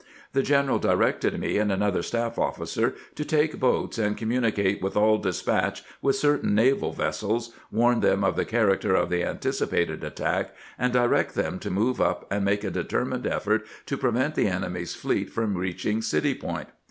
The general directed me and an other staff officer to take boats and communicate with all despatch with certain naval vessels, warn them of the character of the anticipated attack, and direct them to move up and make a determined effort to prevent the enemy's fleet from reaching City Point.